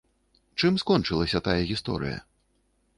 Чым скончылася тая гісторыя?